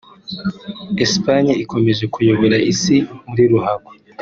Espagne ikomeje kuyobora isi muri ruhago